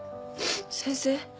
先生。